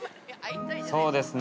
そうですね。